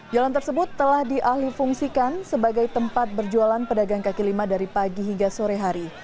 jalan tersebut telah dialih fungsikan sebagai tempat berjualan pedagang kaki lima dari pagi hingga sore hari